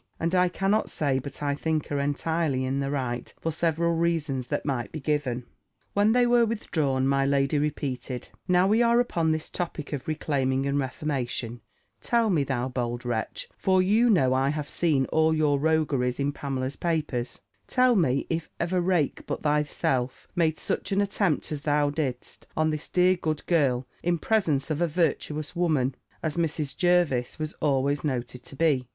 And I cannot say but I think her entirely in the right, for several reasons that might be given. When they were withdrawn, my lady repeated, "Now we are upon this topic of reclaiming and reformation, tell me, thou bold wretch; for you know I have seen all your rogueries in Pamela's papers; tell me, if ever rake but thyself made such an attempt as thou didst, on this dear good girl, in presence of a virtuous woman, as Mrs. Jervis was always noted to be?